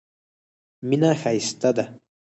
مینه ښایسته ده.